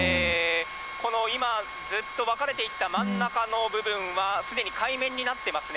この、今、ずっと分かれていった真ん中の部分は、すでに海面になってますね。